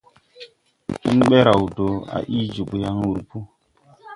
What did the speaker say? Hun be raw do, a ii jòbō yan wur po.